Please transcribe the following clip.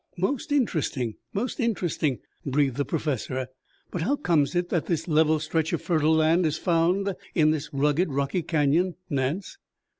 "Most interesting, most interesting," breathed the Professor. "But how comes it that this level stretch of fertile land is found in this rugged, rocky canyon, Nance?"